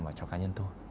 và cho cá nhân tôi